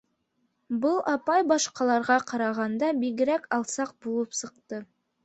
Был апай башҡаларға ҡарағанда бигерәк алсаҡ булып сыҡты.